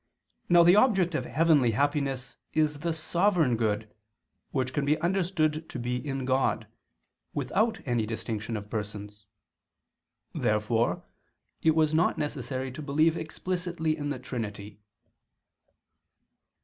Now the object of heavenly happiness is the sovereign good, which can be understood to be in God, without any distinction of Persons. Therefore it was not necessary to believe explicitly in the Trinity.